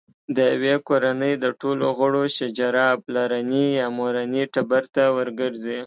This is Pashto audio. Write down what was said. د یوې کورنۍ د ټولو غړو شجره پلرني یا مورني ټبر ته ورګرځي.